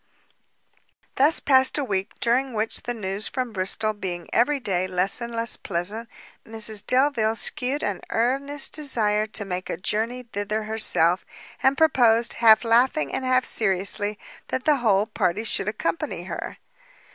Thus passed a week, during which the news from Bristol being every day less and less pleasant, Mrs Delvile shewed an earnest desire to make a journey thither herself, and proposed, half laughing and half seriously, that the whole party should accompany her.